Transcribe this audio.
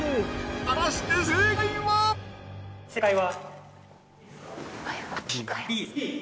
果たして正解は？